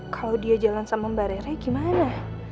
kalo dia jalan sama mbak reret gimana